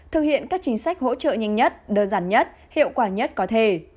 thực hiện các chính sách hỗ trợ nhanh nhất đơn giản nhất hiệu quả nhất có thể